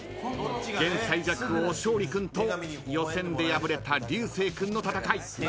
現最弱王勝利君と予選で敗れた流星君の戦い。